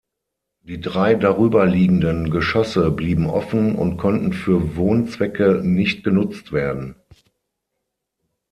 Die drei darüber liegenden Geschosse blieben offen und konnten für Wohnzwecke nicht genutzt werden.